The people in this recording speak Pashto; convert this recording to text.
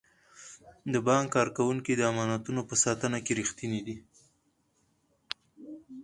د بانک کارکوونکي د امانتونو په ساتنه کې ریښتیني دي.